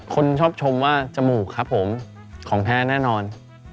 คนชอบชมว่าจมูกครับผมของแท้แน่นอน